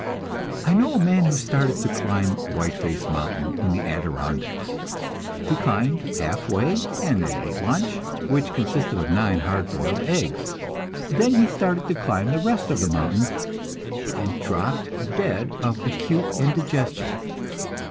I know a man who started to climb Whiteface mountain in the Adirondacks. He climbed half way, and then ate lunch, which consisted of nine hard boiled eggs. Then he started to climb the rest of the mountain, and dropped dead of acute indigestion.